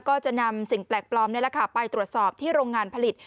ก็จะนำสิ่งแปลกปลอมไปตรวจสอบที่โรงงานผลิต